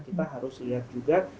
kita harus lihat juga